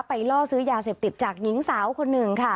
ล่อซื้อยาเสพติดจากหญิงสาวคนหนึ่งค่ะ